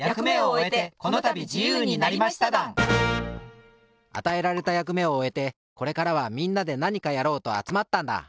ぼくたちあたえられたやくめをおえてこれからはみんなでなにかやろうとあつまったんだ。